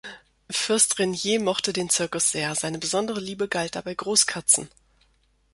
Fürst Rainier mochte den Zirkus sehr, seine besondere Liebe galt dabei Großkatzen.